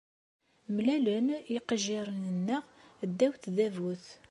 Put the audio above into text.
Mlalen yiqejjiren-nneɣ ddaw tdabut.